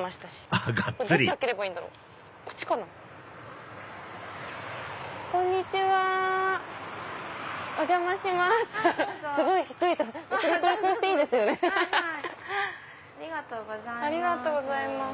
ありがとうございます。